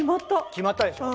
決まったでしょ？